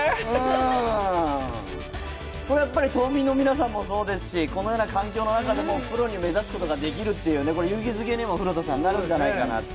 島民の皆さんもそうですし、このような環境の中でもプロを目指すことができるっていう勇気づけにもなるんじゃないかなって。